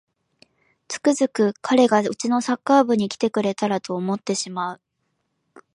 つくづく彼がうちのサッカー部に来てくれたらと思ってしまう